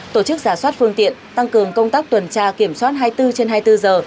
tổ chức giả soát phương tiện tăng cường công tác tuần tra kiểm soát hai mươi bốn trên hai mươi bốn giờ